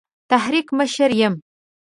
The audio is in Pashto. تحریک مشر یم.